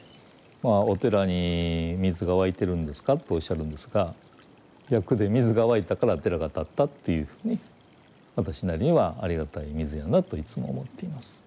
まあお寺に水が湧いてるんですかとおっしゃるんですが逆で水が湧いたから寺が建ったっていうふうに私なりにはありがたい水やなといつも思っています。